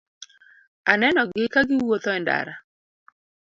Anenogi kagi wuotho e ndara.